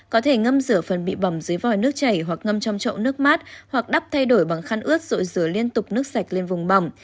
có thể ngâm rửa phần bị bỏng dưới vòi nước chảy hoặc ngâm trong chậu nước mát hoặc đắp thay đổi bằng khăn ướt rồi rửa liên tục nước sạch lên vùng bỏng